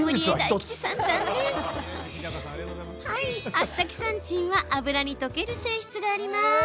アスタキサンチンは油に溶ける性質があります。